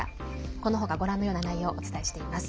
このほか、ご覧のような内容をお伝えしています。